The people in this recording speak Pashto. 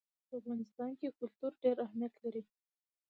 په افغانستان کې کلتور ډېر اهمیت لري.